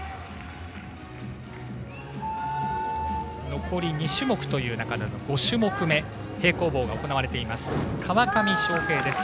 残り２種目という中での５種目め平行棒が行われています。